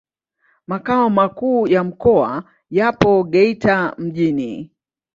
Makao makuu ya mkoa yapo Geita mjini.